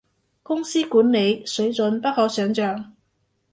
公司管理，水準不可想像